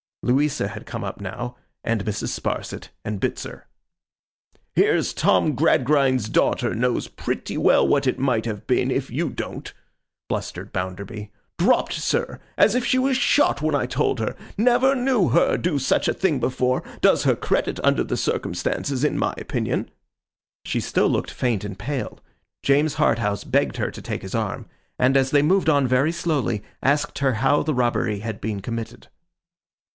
Louisa had come up now, and Mrs. Sparsit, and Bitzer. 'Here's Tom Gradgrind's daughter knows pretty well what it might have been, if you don't,' blustered Bounderby. 'Dropped, sir, as if she was shot when I told her! Never knew her do such a thing before. Does her credit, under the circumstances, in my opinion!' She still looked faint and pale. James Harthouse begged her to take his arm; and as they moved on very slowly, asked her how the robbery had been committed.